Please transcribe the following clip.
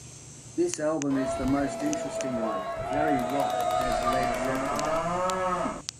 This album is the most interesting one, very rock as Led Zeppelin.